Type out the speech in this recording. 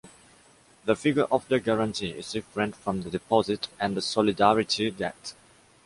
The figure of the guarantee is different from the deposit and the solidarity debt.